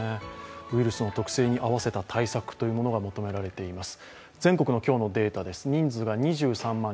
ウイルスの特性に合わせた対応が求められています。